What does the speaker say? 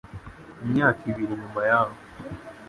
Imyaka ibiri nyuma yaho,